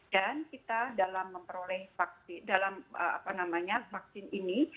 dan kita dalam memperoleh vaksin ini